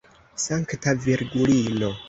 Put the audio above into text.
Sankta Virgulino!